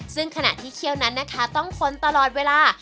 ซึ่งขณะที่เคี่ยวนั้นนะคะต้องคนตลอดเวลา